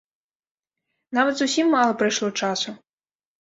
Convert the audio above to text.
Нават зусім мала прайшло часу.